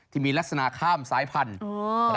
ที่มีลักษณะข้ามสายพันธุ์